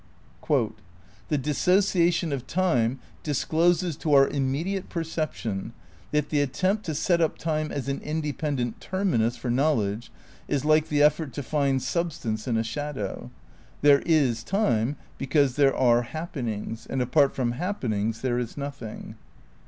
"The dissociation of time discloses to our immediate perception that the attempt to set up time as an independent terminus for knowledge is like the effort to find substance in a shadow. There is time because there are happenings and apart from happenings there is nothing."